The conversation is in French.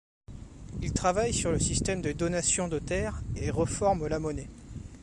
Il travaille sur le système de donations de terre et reforme la monnaie.